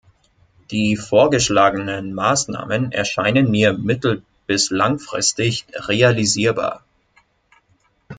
Die vorgeschlagenen Maßnahmen erscheinen mir mittelbis langfristig realisierbar.